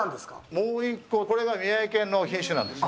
「もういっこ」、これが宮城県の品種なんですよ。